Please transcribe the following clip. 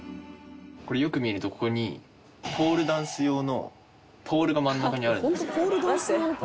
これよく見るとここにポールダンス用のポールが真ん中にあるんです。